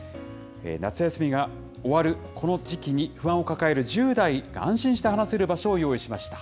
夏休みが終わるこの時期に、不安を抱える１０代、安心して話せる場所を用意しました。